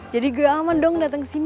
jadi gue aman dong dateng kesini